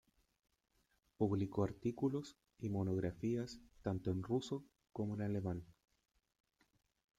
Publicó artículos y monografías tanto en ruso como en alemán.